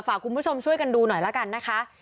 ฝากคุณผู้ชมช่วยกันดูหน่อยละกันนะคะ